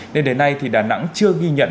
nên đến nay thì đà nẵng chưa ghi nhận